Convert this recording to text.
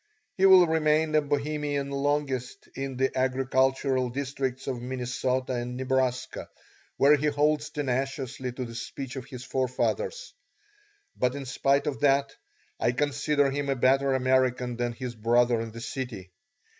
He will remain a Bohemian longest in the agricultural districts of Minnesota and Nebraska, where he holds tenaciously to the speech of his forefathers; but, in spite of that, I consider him a better American than his brother in the city.